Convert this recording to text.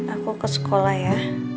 aku ke sekolah ya